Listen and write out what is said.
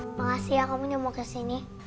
makasih ya kamu nyamuk kesini